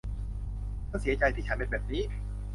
ฉันเสียใจที่ฉันเป็นแบบนี้